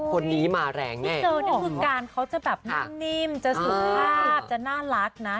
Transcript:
คนนี้มาแรงแน่เจอนี่คือการเขาจะแบบนิ่มจะสุภาพจะน่ารักนะ